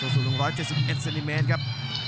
ส่วนสุด๖๗๑เซนติเมตรครับ